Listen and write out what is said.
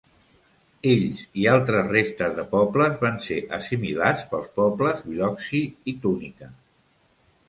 Ells i altres restes de pobles van ser assimilats pels pobles Biloxi i Tunica.